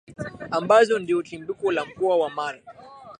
ambazo ndiyo chimbuko la Mkoa wa Mara